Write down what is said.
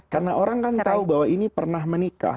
karena orang kan tahu bahwa ini pernah menikah